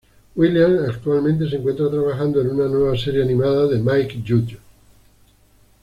Williams actualmente se encuentra trabajando en una nueva serie animada de Mike Judge.